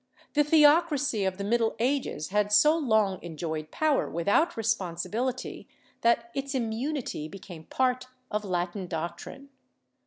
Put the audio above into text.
The theocracy of the middle ages had so long enjoyed power without responsibility that its immunity became part of Latin doctrine.